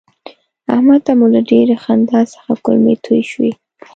احمد ته مو له ډېرې خندا څخه کولمې توی شوې.